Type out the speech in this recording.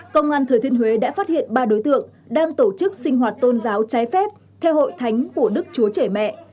công an thừa thiên huế đã phát hiện ba đối tượng đang tổ chức sinh hoạt tôn giáo trái phép theo hội thánh của đức chúa trẻ mẹ